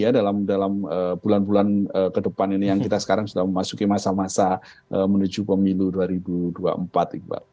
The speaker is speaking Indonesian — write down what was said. dan jalan jalan jalan politik ini ya dalam bulan bulan kedepan ini yang kita sekarang sudah memasuki masa masa menuju pemilu dua ribu dua puluh empat iqbal